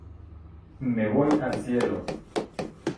Me voy al cielo.